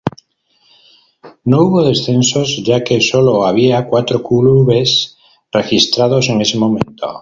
No hubo descensos ya que sólo había cuatro clubes registrados en ese momento.